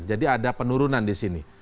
jadi ada penurunan di sini